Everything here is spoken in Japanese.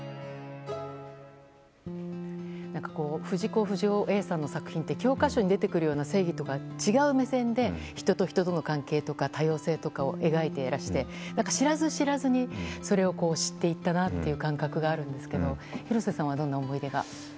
藤子不二雄Ａさんの作品って教科書に出てくるような正義とは違う目線で人と人との関係とか多様性とかを描いていらして知らず知らずにそれを知っていったなという感覚があるんですけど廣瀬さんはどんな思い出が？